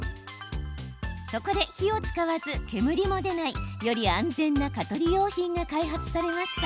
そこで火を使わず、煙も出ないより安全な蚊取り用品が開発されました。